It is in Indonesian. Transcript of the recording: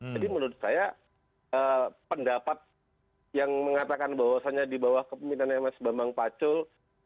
jadi menurut saya pendapat yang mengatakan bahwasannya di bawah kepemimpinan mas bambang pacul